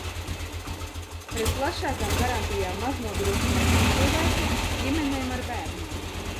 Pret plašākām garantijām maznodrošinātiem cilvēkiem, ģimenēm ar bērniem.